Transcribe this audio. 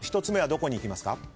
１つ目はどこにいきますか？